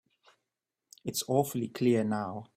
It's awfully clear now.